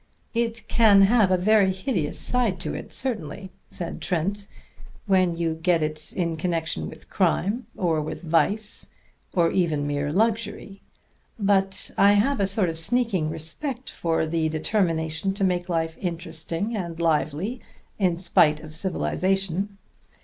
"It can have a very hideous side to it, certainly," said Trent, "when you get it in connection with crime. Or with vice. Or even mere luxury. But I have a sort of sneaking respect for the determination to make life interesting and lively in spite of civilization.